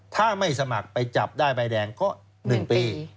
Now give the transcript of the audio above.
ถ้าไม่สมัครไปจับได้ใบแดงก็๑ปี